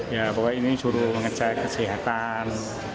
ya pokoknya ini suruh mengecek kesehatan